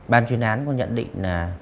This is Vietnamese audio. ban chuyên án có nhận định là